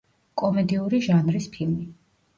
კომედიური ჟანრის ფილმი.